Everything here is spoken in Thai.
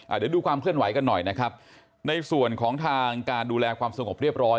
เดี๋ยวดูความเคลื่อนไหวกันหน่อยนะครับในส่วนของทางการดูแลความสงบเรียบร้อย